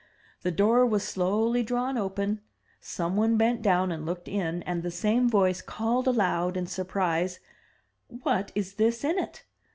The door was slowly drawn open, some one bent down and looked in, and the same voice called aloud, in surprise, "What is this in it?